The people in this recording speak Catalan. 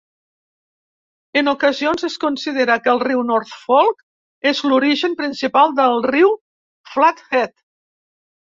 En ocasions es considera que el riu North Fork és l'origen principal del riu Flathead.